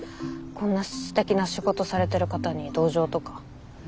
こんな素敵な仕事されてる方に同情とか。